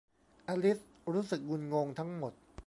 อลิซรู้สึกงุนงงทั้งหมด